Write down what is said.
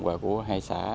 và của hai xã lắp dò